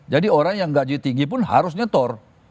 jadi orang yang gaji tinggi pun harus nyetor